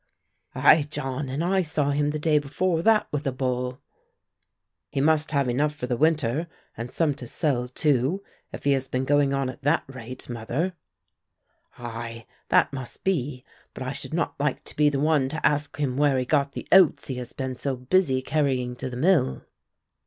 "Ay, John, and I saw him the day before that with a boll." "He must have enough for the winter and some to sell too, if he has been going on at that rate, mother." "Ay, that must be, but I should not like to be the one to ask him where he got the oats he has been so busy carrying to the mill."